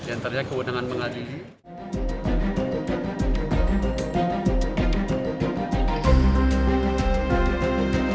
antaranya keundangan pengadili